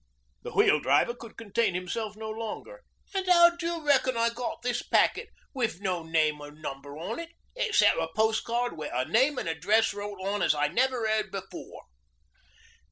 The Wheel Driver could contain himself no longer. 'An' how d'you reckon I got this packet, an' no name or number on it 'cept a pos'card wi' a name an' address wrote on as I never 'eard before?'